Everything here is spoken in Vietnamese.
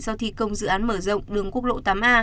do thi công dự án mở rộng đường quốc lộ tám a